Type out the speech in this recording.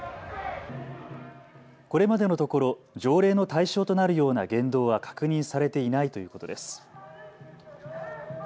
これまでのところ、条例の対象となるような言動は確認されていないということです。